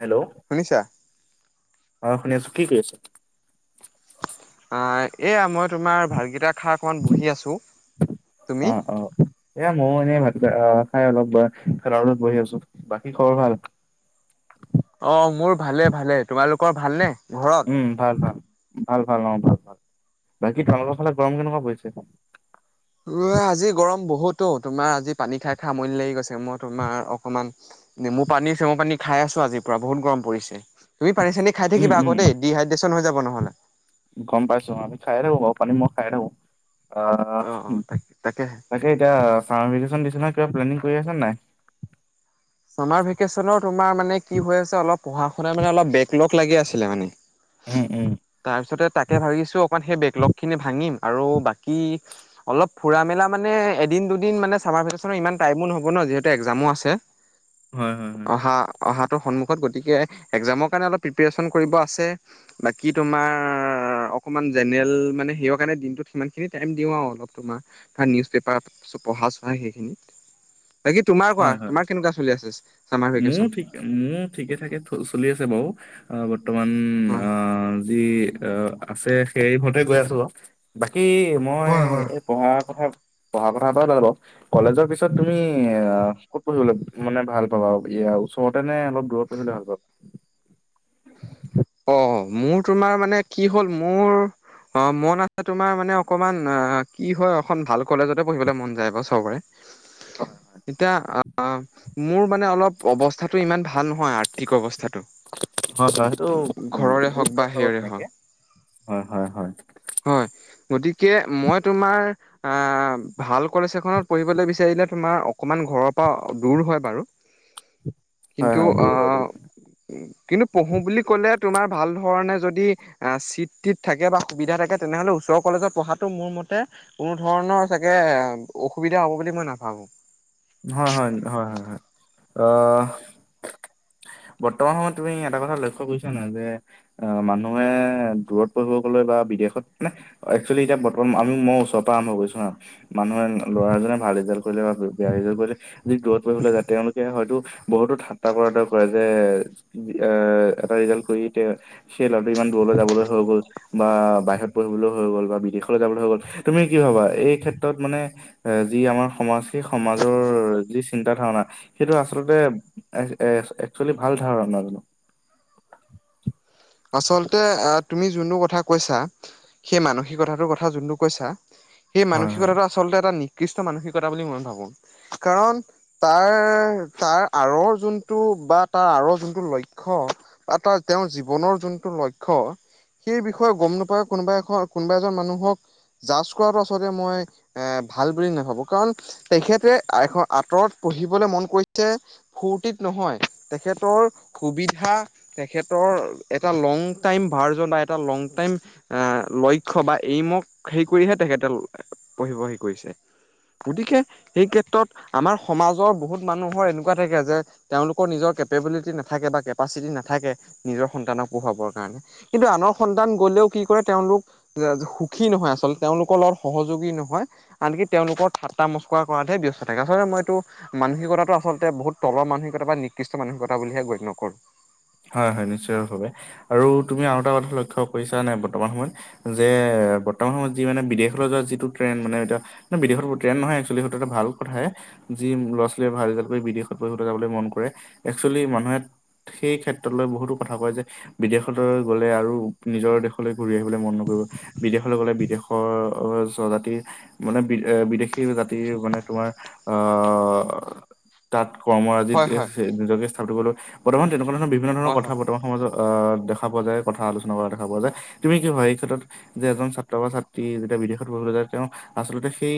Hello শুনিছা? অ শুনি আছো কি কৰি আছা? এইয়া মই তোমাৰ ভাতকেইটা খাই অকণমান বহি আছোঁ অ অ এ ময়ো এনে ভাত আহ খাই অলপ বা খাউডত বহি আছো বাকী খবৰ ভাল [unintelligible] অ মোৰ ভালে ভালে তোমালোকৰ ভালনে ঘৰত? উম ভাল ভাল ভাল ভাল অ ভাল ভাল বাকী তোমালোকৰ ফালে গৰম কেনেকুৱা পৰিছে আজি গৰম বহুতো ও তোমাৰ আজি পানী খাই খাই আমনি লাগি গৈছে মই তোমাৰ অকনমান নেমু পানী চেমু পানী খাই আছো আজিৰ পৰা বহুত গৰম পৰিছে তুমি পানী চানী খাই উম থাকিবা উম আকৌ দেই ডিহাইড্ৰেশ্যন হৈ যাব নহলে গম পাইছো আমি খায়ে থাকো বাৰু পানী মই খাই থাকো অ অ অ তাক তাকেহে। তাকে এতিয়া চামাৰভেকেচন দিছে নহয় কিবা প্লেনিং কৰি আছা নাই? চামাৰভেকেচনৰ তোমাৰ মানে কি হৈ আছে অলপ পঢ়া-শুনা অলপ বেক লক লাগি আছিলে মানে উম উম তাৰ পিছতে তাকে ভাবিছো অকমান সেই বেকলগ খিনি ভাঙিম আৰু বাকী অলপ ফুৰা মেলা মানে এদিন দুদিন মানে চামাৰ ভেকেচনৰ ইমান টাইমো নহ'ব ন যিহেতু একজামো আছে, হয় হয় হয় অহা অহা সন্মুখত গতিকে একজামৰ কাৰণে অলপ প্ৰিপেৰেচন কৰিব আছে বাকী তোমাৰ অকণমান জেনেৰেল মানে সেই কাৰণে দিনটোত সি খিনি টাইম দিওঁ আৰু অলপ তোমাৰ ধৰা নিউজ পেপাৰ পঢ়া চহা সেইখিনিত [inaudible] বাকি তোমাৰ কোৱা তোমাৰ কেনেকুৱা। চলি আছে চামাৰ মোৰও ভেকেচন ঠিক মোৰ ঠিকে থঠাকে চলি আছে বাৰু আহ বৰ্তমান হয় অ যি অ আছে সেই মতে গৈ আছো বাকী কি মই হয় হয় এই পঢ়া কথা পঢ়া কথা এটা ওলালে বাও কলেজৰ পিছত তুমি এ ক'ত পঢ়িবলে মানে ভাল পাবা ওচৰতে নে অলপ দূৰত পঢ়িবলে ভাল পাবা [inaudible] অ মোৰ তোমাৰ মানে কি হ'ল মোৰ অ মন আছে তোমাৰ মানে অকমান অ কি হয় অ ভাল কলেজতে পঢ়িবলৈ মন যায় বাৰ চবৰে [unintelligible] এতিয়া অ মোৰ মানে অলপ অৱস্থাটো ইমান ভাল নহয়। আৰ্থিক অৱস্থাটো হয় [unintelligible] উম ঘৰৰে মোৰো হওক বা ভাল হ'ব সেইয়ৰে তেনেকে হওক হয় হয় হয় [unintelligible] হয়। গতিকে মই তোমাৰ অ ভাল কলেজ এখনত পঢ়িবলৈ বিচাৰিলে। তোমাৰ ঘৰ পাই দুৰ হৈ বাৰু হয় কিন্তু হয় অ দূৰ হয় দূৰ কিন্তু পঢ়ো বুলি লে তুমাৰ ভাল ধৰণে যদি চি থাকে বা সুবিধা থাকে তেনেহলে ওচৰ কলেজত পঢ়াটো মোৰ মতে কোনো ধৰণৰ চাগে অসুবিধা হ'ব বুলি মই নাভাবো। হয় হয় হয় হয়। বৰ্তমান সময়ত তুমি এটা কথা লক্ষ্য কৰিছা ন যে অ মানুহে দূৰত পঢ়িব গলে বা বিদেশত মানে একচুৱেলি এতিয়া বৰ্তমান আমি মই ওচৰৰ পৰা আৰম্ভ কৰিছো ন মানুহৰ ল'ৰাজনে। ভাল ৰিজাল্ট কৰিলে বা বেয়া ৰিজাল্ কৰিলে যদি দূৰত পৰিবলৈ যায় তেওঁলোকে হয়তো। বহুতো ঠাট্টা টাইপৰ কৰে যে এ এটা ৰিজালট কৰি সেই ল [unintelligible] দূৰলৈ যাবলৈ হৈ গ'ল বা বাহিৰত পঢ়িবলৈ হৈ গ'ল বা বিদেশলৈ যাবলৈ গ'ল তুমি কি ভাবা এই ক্ষেত্ৰত মানে যি আমাৰ সমাজ সমাজৰ যি চিন্তা ধাৰণা সেইটো আচলতে একচুৱেলি ভাল ধাৰণাজানো। [inaudible] আচলতে তুমি যোনটো কথা কৈছা সেই মানসিক কথাটোৰ কথা যোনটো কৈছা। সেই হয় হয় মানসিকতাটো আচলতে এটা নিক- উৎকৃষ্ট মানসিকতা বুলি মই ভাবো কাৰণ তাৰ তাৰ আঁৰৰ যোনটো বা তাৰ আৰ যোনটো লক্ষ বা তাৰ তেওঁৰ জীৱনৰ যোনটো লক্ষ্য- সেই বিষয়ে গম নাপায় কোনোবা এখন কোনোবা এজন মানুহক- জ কৰাটো আচলতে মই এ ভাল বুলি নাভাবো কাৰণ তেখেতে এখন আঁতৰত পঢ়িবলৈ মন কৰিছে ফূৰ্তিত নহয় তেখেতৰ সুবিধা তেখেতৰ এটা লং টাইম ভাৰ্জন বা এটা লং টাইম লক্ষ্য় বা এইমক হে কৰিহে তেখ কেডাল পঢ়ি বহি কৰিছে। গতিকে সেই ক্ষেত্ৰত আমাৰ সমাজৰ বহুত মানুহৰ এনেকুৱা থাকে যে তেওঁলোকৰ নিজৰ কেপেবিলিটি নাথাকে বা কেপাচিটি নাথাকে নিজৰ সন্তানক- পঢ়াবৰ কাৰণে কিন্তু আনৰ সন্তান গলেও কি কৰে তেওঁলোক সুখী নহয় আচলতে তেওঁলোকৰ লগত- সহযোগী নহয় আনকি তেওঁলোকৰ এটা মচক কৰাহে ব্যস্ত থাকে আচলতে মই এইটো মানসিকতা আচলতে বহুত তলৰ মানসিকতা বা নিকৃষ্ট মানসিকতা বুলিহে গণ্য কৰো হয় হয় নিশ্চয় ভাৱে আৰু তুমি আৰু এটা কথা লক্ষ্য কৰিছা নে বৰ্তমান সময়ত যে বৰ্তমান সময়ত যি মানে বিদেশলৈ যিটো ট্ৰেন মানে এতিয়া মানে বিদত ট্ৰেন নহয় একচুৱেলি সেইটো এটা ভাল কথাহে যি ল'ৰা ছোৱালীয়ে ভাল ৰিজাল্ট কৰি বিদেশত পঢ়লৈ যাবলৈ মন কৰে একচুৱেলি মানুহে সেই ক্ষেত্ৰ ক বহুতো কথা কয় যে বিদেশলৈ গ'লে আৰু নিজৰ দেশলৈ ঘূৰি আহিবলৈ মন নকৰিব বিদেশ। গলে বিদেশৰ জাতিৰ মানে বি বিদেশী জাতিৰ মানে তোমাৰ আহ- অ তাত কৰ্ম আজিত হয় হয় নিজকে স্থাপিত কৰিলে বৰ্তমান তেনেকুৱা ধৰণৰ বিভিন্ন ধৰণৰ হয় কথা হয় বৰ্তমান সমাজত অ দেখা পোৱা যায়। কথা আলোচনা কৰা দেখা পোৱা যায় তুমি কি হয় এই ক্ষেত্ৰত যে এজন ছাত্ৰ বা ছাত্ৰী বিদেশত পঢ়িবলৈ যায় তেওঁ আচলতে সেই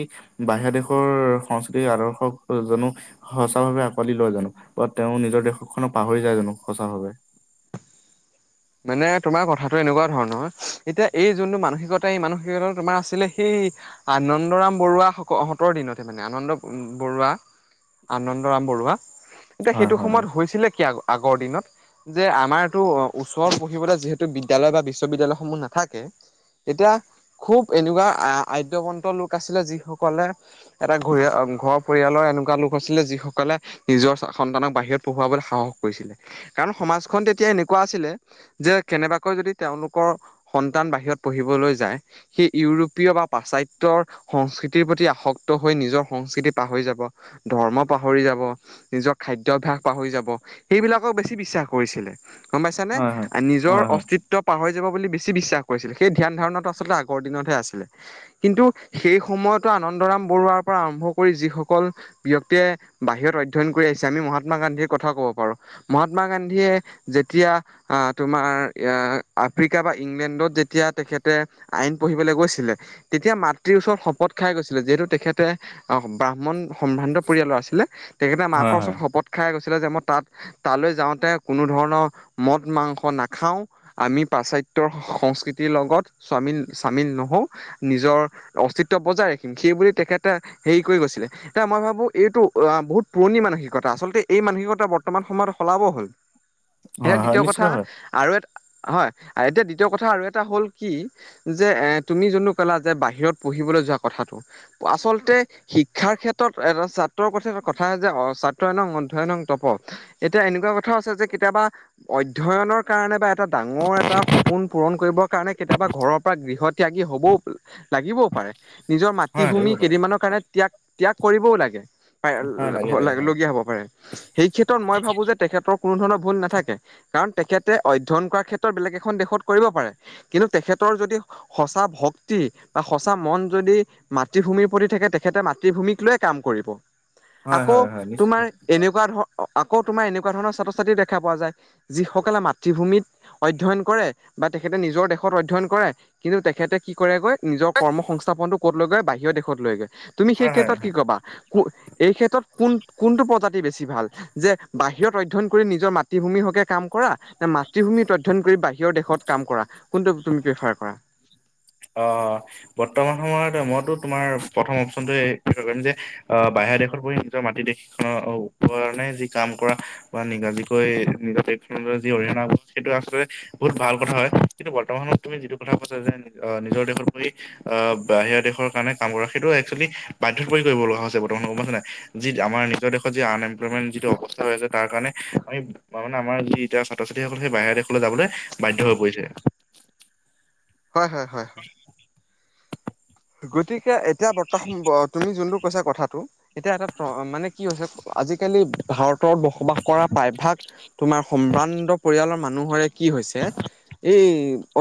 বাহিৰা দেশৰ সংস্কৃতিৰ আদৰ্শক জানো সঁচা ভাৱে আঁকোৱালি লয় জানো বা তেওঁ নিজৰ দেশখনক পাহৰি যায় জানো সঁচা হ মানে তোমাৰ কথাটো এনেকুৱা ধৰণৰ এতিয়া এই যোনটো মানসিকতা এই মানসিকতা তোমাৰ আছিলে সেই আনন্দৰাম বৰুৱা সহঁতৰ দিনতে মানে আনন্দ বৰুৱা আনন্দৰাম বৰুৱা এতিয়া হয় সেইটো হয় সময়ত হৈছিলে কি আগৰ দিনত যে আমাৰতটো ওচৰ পঢ়িবলৈ যিহেতু বিদ্যালয় বা বিশ্ববিদ্যয়ালয়সমূহ নাথাকে। এতিয়া খুব এনেকুৱা আদ্যৱন্ত লোক আছিলে যি সকলে এটা ঘূৰি ঘৰৰ পৰিয়ালৰ এনেকুৱা লোক আছিলে যিসকলে নিজৰ সন্তানক বাহিৰত পঢ়োৱাবলৈ সাহস কৰিছিলে কাৰণ সমাজখন তেতিয়া এনেকুৱা কোৱা আছিলে যে কেনেবাকৈ তেওঁলোকৰ সন্তান বাহিৰত পঢ়িবলৈ যাই হেই উ ইউৰোপীয় বা পাশ্চাত্যৰ সংস্কৃতিৰ প্ৰতি আসক্ত হৈ নিজৰ সংস্কৃতি পাহৰি যাব ধ পাহৰি যাব নিজৰ খাদ্যভাস পাহৰি যাব সেইবিলাকক বেছি বিশ্বাস কৰিছিল। গম পাইছানে হয় হয় নিজৰ হয় হয় অস্তিত্ব পাহৰি যাব বুলি। বে বিশ্বাস কৰিছিল সেই ধ্যান ধাৰণাটো আচলতে আগৰ দিনতহে আছিলে কিন্তু সেই সময়তো আনন্দৰাম বৰুৱাৰ পৰা আৰম্ভ কৰি যিসকল ব্যক্তিয়ে বাহিৰত অধ্যয়ন কৰি আহিছে আমি মহাত্মা গান্ধীৰ কথা কওঁ। প মহাত্মা গান্ধীয়ে যে তেতিয়া তোমাৰ আফ্ৰিকা বা ইংলেণ্ডত যেতিয়া তেখেতে আইন পঢ়িব। গৈছিলে তেতিয়া মাতৃৰ ওচৰত শপত খাই গৈছিলে যিহেতু তেখেতে আহ ব্ৰাহ্মণ সম্ভ্ৰান্ত পৰিয়ালৰ আছিলে তেখেতে হয় মাকৰ হয় ওচৰত শপত খাই গৈছিল। যে মই তাত তালৈ যাওঁতে কোনো ধৰণৰ মদ মাংস নাখাও আমি পাশ্চাত্য়ৰ সংস্কৃতিৰ লগত স্বাম স্বামিল নহও নিজৰ অস্তিত্ব বজাই ৰাখিম সেই বুলি তেখেতে হেৰি কৰি গৈছিলে এতিয়া মই ভাবো এইটো বহুত পুৰণি মানসিকতা আচলতে এই মানসিকতা বৰ্তমান সময়ত সলাব হ'ল। সেই হয় হয় দ্বিতীয় নিশ্চিত কথা হয় আৰু এটা হয় এতিয়া দ্বিতীয় কথা আৰু এটা হ'ল কি যে এ তুমি যোনো কলা যে বাহিৰত পঢি যোৱা কথাটো আচলতে শিক্ষাৰ ক্ষেত্ৰত এটা ছাত্ৰৰ কথাটা কথা যে ছ্ৰ ই নং অধ্যয় নং তপ এতিয়া এনেকুৱা কথাও আছে যে কেতিয়াবা অধ্যয়নৰ কাৰণে বা এটা ডাঙৰ এটা সপোন পূৰণ কৰিবৰ কাৰণে কেতিয়াবা ঘৰৰ পৰা গৃহত ত্যাগি হ'বও লাগিবও পাৰে। নিজৰ হয় লাগিব মাতৃভূমি পাৰে কেইদিনমানৰ কাৰণে ত্যাগ ত্যাগ কৰিবও লাগে। হয় লাগে প লাগে হয় লগীয়া হ'ব পাৰে। সেই ক্ষেত্ৰ মই ভাবোঁ যেখেতৰ কোনো ধৰণৰ ভুল নাথাকে। কাৰণ তেখেতে অধ্যয়ন কৰাৰ ক্ষেত্ৰত বেলেগ এখন দেশত কৰিব পাৰে কিন্তু তেখেতৰ যদি। সঁচা ভক্তি বা সঁচা মন যদি মাতৃভূমিৰ প্ৰতি থাকে তেখেতে মাতৃভূমিক লৈ কাম কৰিব। হয় আকৌ হয় হয় নিশ্চিত তোমাৰ এনেকুৱা ধৰ আকৌ তোমাৰ এনেকুৱা ধৰণৰ ছাত্ৰ ছাত্ৰী দেখা পোৱা যায়। যিসকলে মাতৃভূমিত অধ্যয়ন কৰে বা তেখেতে নিজৰ দেশত অধ্যয়ন কৰে কিন্তু তেখ তেখেতে কি কৰেগৈ নিজৰ কৰ্ম সংস্থাপনটো ক'ত লৈ গৈ বাহিৰ দেশত লৈগৈ। তুমি সেই হয় হয় হয় ক্ষেত্ৰত কি কবা এই ক্ষেত্ৰত কোন কোনটো প্ৰজাতি বেছি ভাল যে বাহিৰত অধ্যয়ন কৰি নিজৰ মাতৃভূমি। কাম কৰা নে মাতৃভূমি অধ্যন কৰি বাহিৰৰ দেশত কাম কৰা কোনটো তুমি ব্যৱহাৰ কৰা। হয়। অ বৰ্তমান সময়ত মইতো তোমাৰ প্ৰথম অপশচনটো কৰিম যে অ হাই দেশত পৰি নিজৰ মাটি দেশীখনৰ কাৰণে যি কাম কৰা বা নিগাজিকৈ নিজৰ যি অৰিহণা আ সেইটো আচলতে বহুত ভাল কথা হয় কিন্তু বৰ্তমান সমত তুমি যিটো কথা কৈছা যে আহ নিজৰ দেশত পৰি আহ বাহিৰা দেশৰ কাৰণে কাম কৰা সেইটো একচুৱেলি বাধ্যতাপ কৰিব লগা হৈছে প্ৰম আমাৰ নিজৰ দেশত য আন এমপ্লমে যিটো অৱস্থা হৈ আছে তাৰ কাৰণে ম যি এতিয়া ছাত্ৰ ছাত্ৰীসকললে সেই বাহিৰ দেশলৈ যাবলৈ বাধ্য হৈ পৰিছে। হয় হয় হয় হয়। গতিকে এতিয়া বৰ্তা তুমি যোনটো কৈছা কথাটো এতিয়া এটা মানে কি হৈছে আজিকালি ভাৰতত বসবাস কৰা প্ৰায়ভাগ তোমাৰ প্ৰকাণ্ড পৰিয়ালৰ মানুহৰে কি হৈছে এই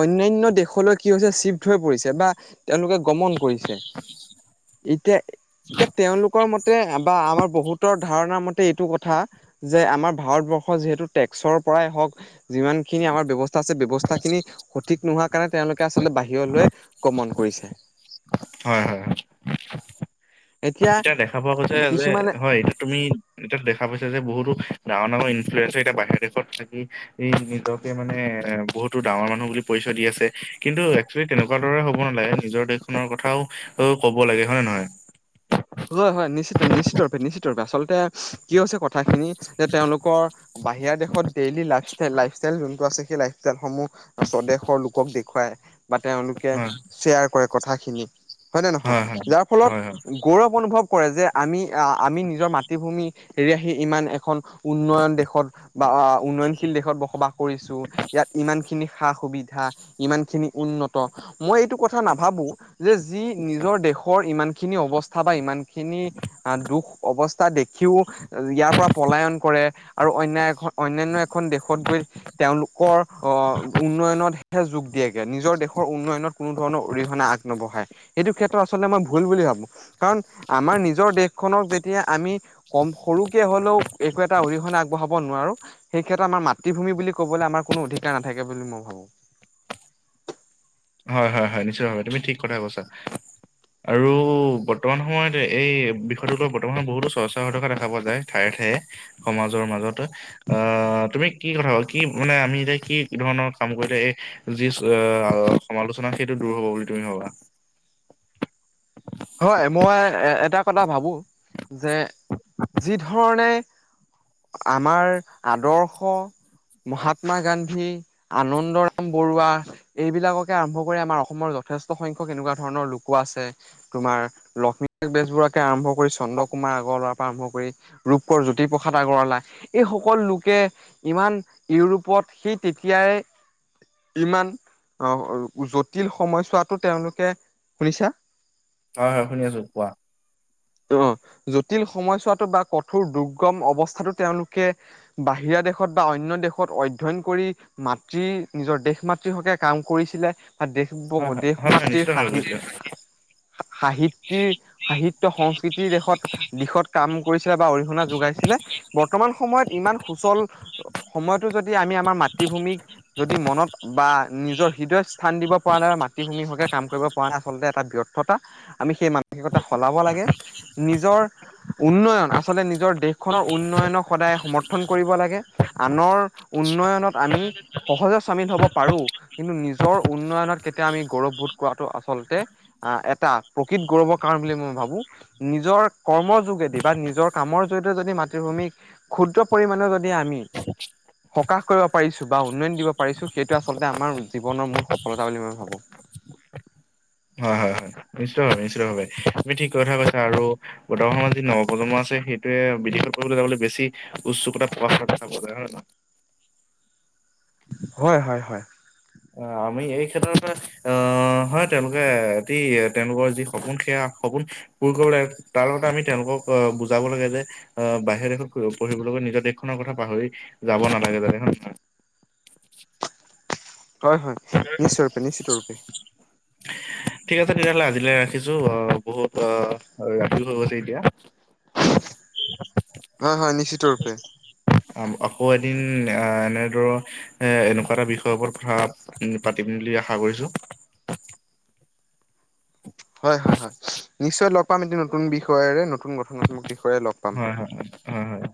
অন্যান্য দেশলৈ কি হৈছে চিফ্ট হৈ পৰিছে বা তেওঁলোকে গমন কৰিছে এতিয়া এতিয়া তেওঁলোকৰ মতে বা আমাৰ বহুতৰ ধাৰণাৰ মতে এইটো কথা যে আমাৰ ভাৰতবৰ্ষ যিহেতু টেক্সৰ পৰাই হক যিমান খিনি আমাৰ ব্যৱস্থা। ব্যয়ৱস্থা খিনি সঠিক নোহোৱাৰ কাৰণে তেওঁলোকে আচলতে বাহিৰলৈ গ্ৰমন কৰিছে। হয় হয়। এতিয়া দেখা পোৱা গৈছে যে কিছুমানে হয় তুমি এতিয়াতো দেখা পাইছা যে বহুতো। ডাঙৰ নামৰ ইনফ্লয়েঞ্চৰ এতিয়া বাহিৰৰ দেশত থাকি ই নিজকে মানে বহুতো ডাঙৰ মানুহ বুলি। পৰিচয় দি আছে কিন্তু একচোয়েলি তেনেকুৱা দৰে হ'ব নালাগে নিজৰ দেশখনৰ কথাও অঁ ক'ব লাগে হয়। নহয়। হয়, হয় নিশ্চিত নিশ্চিত ৰূপে নিশ্চিত ৰূপে আচলতে কি হৈছে কথাখিনি যে তেওঁলোকৰ বাহিৰা দেশত ডেইলী লাইভষ্টল লাইফষ্টাইল যোনটো আ সেই লাইফষ্টাইলসমূহ। স্বদেশৰ লোকক দেখুৱায় বা তেওঁলোকে শ্বেয়াৰ কৰে কথাখিনি। হয় নে নহয় হয় যাৰ ফলত। হয় হয় হয় গৌৰৱ অনুভৱ কৰে যে আমি আহ আমি নিজৰ মাতৃভূমি এৰি আহি ইমান এখন। উন্নয়ন দেশত বা উন্নয়নশীল দেশত বসবাস কৰিছো ইয়াত ইমান খিনি সা সুবিধা। ইমান খিনি উন্নত মই এইটো কথা নাভাবো যে যি নিজৰ দেশৰ ইমানখিনি অৱস্থা বা ইমান খিনি অঁ দুখ অৱস্থা। দেখিও ইয়াৰ পৰা পলায়ন কৰে আৰু অন্যয় এ অনান্য এখন দেশত গৈ। তেওঁলোকৰ আহ উন্নয়নতহে যোগ দিয়েগে নিজৰ দেশৰ উন্নয়নত। কোনো ধৰণৰ অৰিহণা আগ নবঢ়াই সেইটো ক্ষেত্ৰত আচলতে মই ভুল বুলি ভাবো। কাৰণ আমাৰ নিজৰ দেশখনক যেতিয়া আমি কম সৰুকে হ'লেও একো এটা অৰিহণা আগবঢ়াও। হ'ব নোৱাৰো সেই ক্ষেত্ৰত আমাৰ মাতৃভূমি বুলি ক'বলৈ আমাৰ কোনো অধিকাৰ নাথাকে বুলি মই ভাবো। হয় হয় হয় নিশ্চয় ভাৱে তুমি ঠিক কথা কৈছা। আৰু বৰ্তমান সময়ত এই বিষয়টোকৰ বৰ্তমানত বহুতো চৰ্চা হৈ থকা দেখা পোৱা যায় ঠায়ে ঠ। সমাজৰ মাজত আহ তুমি কি কথা ক কি মানে আমি এতিয়া কি ধৰণৰ কাম কৰিলে এই যি। সমালোচনাত সেইটো দূৰ হব বুলি তুমি ভবা। হয় মই এ এটা কথা ভাবো যে যি ধৰণে আমাৰ আদৰ্শ মহাত্মা গান্ধী আনন্দৰাম বৰুৱা এইবিলাককে আৰম্ভ কৰি আমাৰ অসমৰ যথেষ্ট সংখ্যক এনেকুৱা ধৰণৰ লোকো আছে। তোমাৰ লক্ষ্মীনাথ বেজবৰুৱৰাকে আৰম্ভ কৰি চন্দ্ৰ কুমাৰ আগৰৱালা। আৰম্ভ কৰি ৰূপকৰ জ্যোতিপ্ৰসাদ আগৰৱালা এইসকল লোকে ইমান ইউৰোপৰ। সি তেতিয়াই। ইমান জটিল সময়ছোৱাতটো তেওঁলোকে শুনিছা। হয় হয় শুনি আছো কোৱা। অঁ জটিল সময়ছোৱাাতটো বা কঠোৰ দুৰ্গম অৱস্থাতো তেওঁলোকে বাহিৰা। দেশত বা অন্য দেশত অধ্যয়ন কৰি মাতৃ নিজৰ দেশ মাতৃ হকে কাম কৰিছিলে। বা দেশ হয় হয় দেশ হয় হয় মাতৃৰ নিশ্চিত ভাৱে সাহি কৈছিলো। সাহিত্যিক সাহিত্য। সংস্কৃতিৰ দেশত দিশত কাম কৰিছিলে বা অৰিহণা যোগাইছিলে বৰ্তমান সময়ত ইমান। অচল সময়টো যদি আমি আমাৰ মাতৃভূমিক যদি মনত বা নিজৰ হৃদয়। স্থান দিব পৰা নাই বা মাতৃভূমি হকে কাম কৰিব পৰা নাই আচলতে এটা বৰ্থতা আমি সেই মানসিকতা সলাব লাগে। নিজৰ উন্নয়ন আচলতে নিজৰ। দেশখনৰ উন্নয়নক সদায় সমৰ্থন কৰিব লাগে আনৰ উন্নয়নত আমি। সহজত চামিন হ'ব পাৰোঁ। কিন্তু নিজৰ উন্নয়নত কেতিয়া আমি গৌৰৱবোধ কৰাটো আচলতে আহ এটা প্ৰকৃত গৌৰৱ। ৰ কাৰণ বুলি মই ভাবো নিজৰ কৰ্মৰ যোগেদি বা নিজৰ কামৰ জৰিয়তে যদি মাতৃভূমিক ক্ষুদ্ৰ পৰিমাণে যদি আমি সকাহ কৰিব পাৰিছো বা উন্নয়ন দিব পাৰিছো সেইটোৱে আচলতে আমাৰ জীৱনৰ মূল সফলতা বুলি মই ভাবো হয় হয় হয়। নিশ্চয়ভাৱে নিশ্চিতভাৱে, তুমি ঠিক কথা কৈছা আৰু বৰ্তমান সময়ত যি নৱপ্ৰজন্ম আছে সেইটোয়ে কৃষক বেছি উৎসুকতা প্ৰকাশ পায় যাব কাৰনে হয় নহয়? হয় হয় হয়। অ আমি এই ক্ষেত্ৰতে, অ হয় তেওঁলোকে এটি তেওঁলোকৰ যি সপোন সেয়া সপোন পূৰ কৰিব লাগে, তাৰ লগতে আমি তেওঁলোকক অহ বুজাব লাগে যে আহ বাহিৰ দেশত পঢ়িব গৈ নিজৰ দেশ খনৰ কথা পাহৰি যাব নালাগে জানে হয় নে নহয়? হয় হয়, নিশ্চয় ৰূপে নিশ্চিত ৰূপে। ঠিক আছে তেতিয়াহলে আজিলৈ ৰাখিছোঁ, আহ বহুত অহ ৰাতিও হৈ গৈছে এতিয়া। হয় হয় নিশ্চিত ৰূপে। আকৌ এদিন এনেদৰ এ এনেকুৱা এটা বিষয়ৰ ওপৰত কথা পাতিম বুলি আশা কৰিছো। হয় হয় হয়, নিশ্চয় লগ পাম এইটো নতুন বিষয়েৰে নতুন গঠনাত্মক। বিষয়ে লগ পাম। হয় হয় হয় হয়।